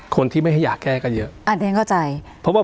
คนที่ไม่ให้อยากแก้ก็เยอะ